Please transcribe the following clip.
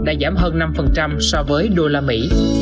đã giảm hơn năm so với đô la mỹ